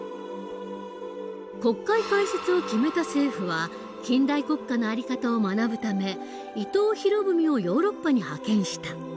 国会開設を決めた政府は近代国家の在り方を学ぶため伊藤博文をヨーロッパに派遣した。